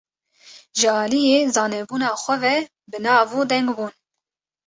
Ji aliyê zanebûna xwe ve bi nav û deng bûn.